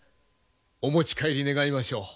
お持ち帰り願いましょう。